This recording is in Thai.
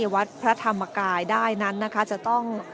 วัดพระธรรมกายได้นั้นนะคะจะต้อง